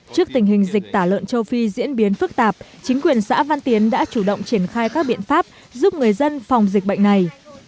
trước tình hình dịch tả lợn châu phi diễn biến phức tạp chính quyền xã văn tiến đã chủ động triển khai các biện pháp giúp người dân phòng dịch bệnh này